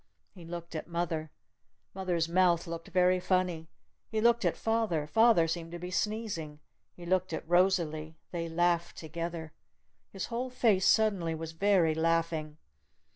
He looked at mother. Mother's mouth looked very funny. He looked at father. Father seemed to be sneezing. He looked at Rosalee. They laughed together. His whole face suddenly was very laughing.